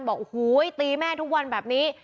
บอกโอ้โหตีแม่ทุกวันแบบนี้